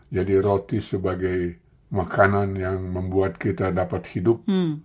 jadi roti sebagai makanan yang membuat kita dapat hidup